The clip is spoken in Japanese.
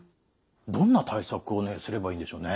どんな対策をすればいいんでしょうね？